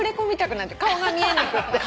顔が見えなくて。